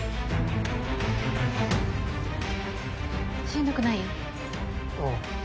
しんどくない？ああ。